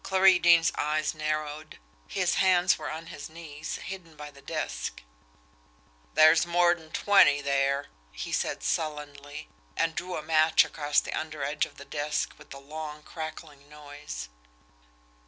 Clarie Deane's eyes narrowed. His hands were on his knees, hidden by the desk. "There's more'n twenty there," he said sullenly and drew a match across the under edge of the desk with a long, crackling noise.